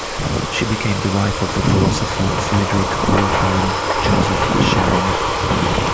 She became the wife of the philosopher Friedrich Wilhelm Joseph Schelling.